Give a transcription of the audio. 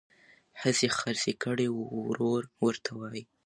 حصي خرڅي کړي ورور ورته وایي